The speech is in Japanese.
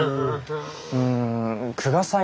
うん久我さん